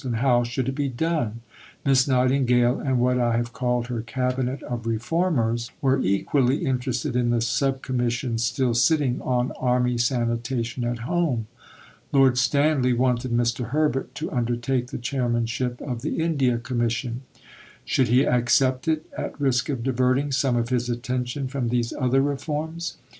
And how should it be done? Miss Nightingale and what I have called her cabinet of reformers were equally interested in the Sub Commissions still sitting on Army Sanitation at home. Lord Stanley wanted Mr. Herbert to undertake the chairmanship of the India Commission. Should he accept it, at risk of diverting some of his attention from these other reforms?